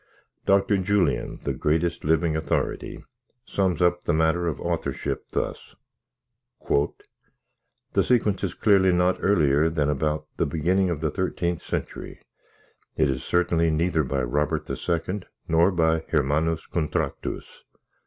Dr. Julian, the greatest living authority, sums up the matter of authorship thus: "The sequence is clearly not earlier than about the beginning of the thirteenth century. It is certainly neither by Robert II. nor by Hermannus Contractus.